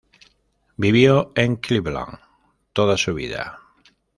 Vivió en Cleveland toda su vida.